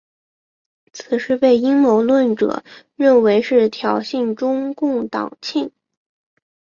此事被阴谋论者认为是挑衅中共党庆。